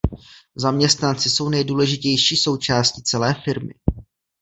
Zaměstnanci jsou nejdůležitější součástí celé firmy.